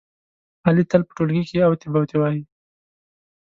علي تل په ټولگي کې اوتې بوتې وایي.